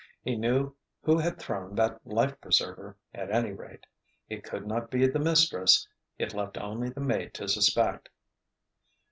He knew who had thrown that life preserver, at any rate. It could not be the mistress. It left only the maid to suspect.